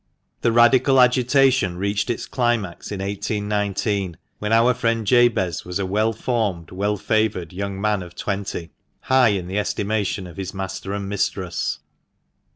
The Radical agitation reached its climax in 1819, when our friend Jabez was a well formed, well favoured young man of twenty, high in the estimation of his master and mistress.